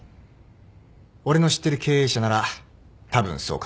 俺の知ってる経営者ならたぶんそう考える。